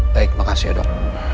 baik makasih ya dok